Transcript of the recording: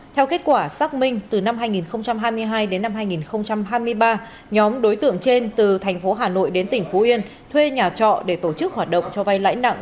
theo kết quả xác minh từ năm hai nghìn hai mươi hai đến năm hai nghìn hai mươi ba nhóm đối tượng trên từ thành phố hà nội đến tỉnh phú yên thuê nhà trọ để tổ chức hoạt động cho vay lãi nặng